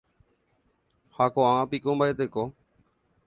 Ha koʼág̃a piko mbaʼeteko?